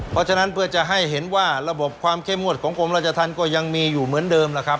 เพราะฉะนั้นเพื่อจะให้เห็นว่าระบบความเข้มงวดของกรมราชธรรมก็ยังมีอยู่เหมือนเดิมล่ะครับ